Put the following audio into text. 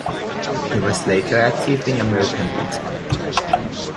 He was later active in the American Legion.